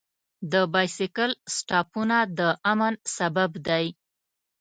د بایسکل سټاپونه د امن سبب دی.